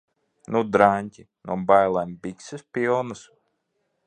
Nu, draņķi? No bailēm bikses pilnas?